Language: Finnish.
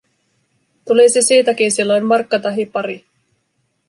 Tulisi siitäkin silloin markka tahi pari.